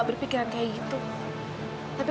tapi kalau ibuku udah bilang kayak gitu ya aku mau gimana lagi